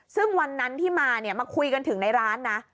ซึ่งวันนั้นที่มาเนี่ยมาคุยกันถึงในร้านนะ